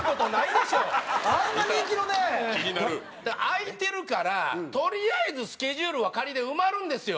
空いてるからとりあえずスケジュールはで埋まるんですよ。